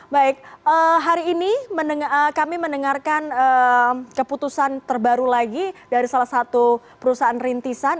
baik hari ini kami mendengarkan keputusan terbaru lagi dari salah satu perusahaan rintisan